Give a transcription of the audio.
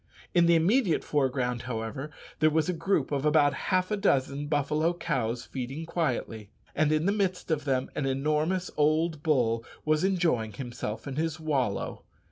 In the immediate foreground, however, there was a group of about half a dozen buffalo cows feeding quietly, and in the midst of them an enormous old bull was enjoying himself in his wallow.